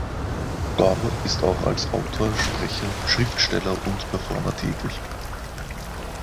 Gorr ist auch als Autor, Sprecher, Schriftsteller und Performer tätig.